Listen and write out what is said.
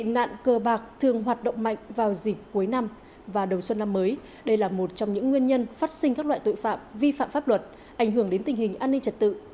nạn cơ bạc thường hoạt động mạnh vào dịp cuối năm và đầu xuân năm mới đây là một trong những nguyên nhân phát sinh các loại tội phạm vi phạm pháp luật ảnh hưởng đến tình hình an ninh trật tự